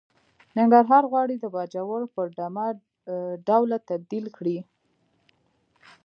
ننګرهار غواړي د باجوړ په ډمه ډوله تبديل کړي.